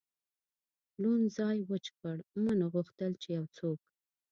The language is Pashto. لوند ځای وچ کړ، ما نه غوښتل یو څوک.